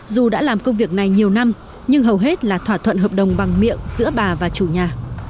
dù đã làm công việc này nhiều năm nhưng hầu hết là thỏa thuận hợp đồng bằng miệng giữa bà và chủ nhà